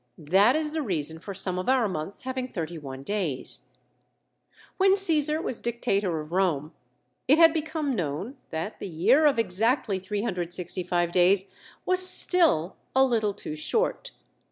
That is the reason for some of our months having thirty one days. When Caesar was Dictator of Rome, it had become known that the year of exactly 365 days was still a little too short.